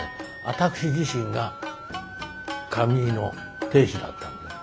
私自身が髪結いの亭主だったんです。